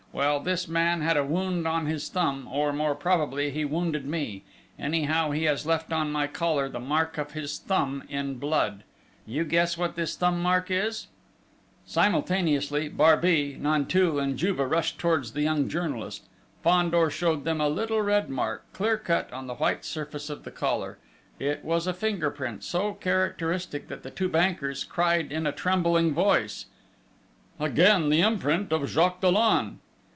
Well, this man had a wound on his thumb, or, more probably, he wounded me, anyhow he has left on my collar the mark of his thumb in blood you guess what this thumb mark is?" Simultaneously, Barbey, Nanteuil, and Juve rushed towards the young journalist.... Fandor showed them a little red mark, clear cut on the white surface of the collar; it was a finger print so characteristic, that the two bankers cried in a trembling voice: "Again the imprint of Jacques Dollon!"